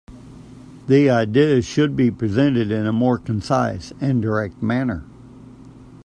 The ideas should be presented in a more concise and direct manner.